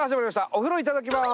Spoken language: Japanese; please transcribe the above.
「お風呂いただきます」。